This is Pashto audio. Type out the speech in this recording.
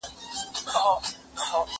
فکر د زده کوونکي له خوا کيږي.